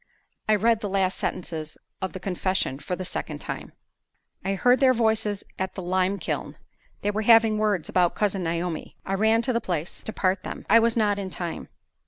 I read the last sentences of the confession for the second time: "...I heard their voices at the lime kiln. They were having words about Cousin Naomi. I ran to the place to part them. I was not in time.